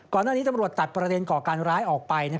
ก่อนหน้านี้ตำรวจตัดประเทศก่อการร้ายออกไป